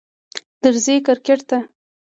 درځی کرکټ ته